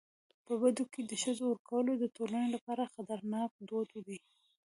په بدو کي د ښځو ورکول د ټولني لپاره خطرناک دود دی.